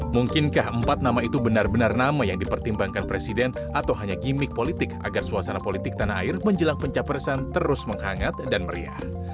mungkinkah empat nama itu benar benar nama yang dipertimbangkan presiden atau hanya gimmick politik agar suasana politik tanah air menjelang pencapresan terus menghangat dan meriah